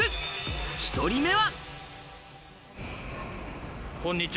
１人目は。